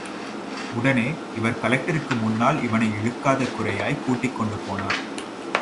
உடனே, இவர் கலெக்டருக்கு முன்னால் இவனை இழுக்காத குறையாய் கூட்டிக்கொண்டு போனார்.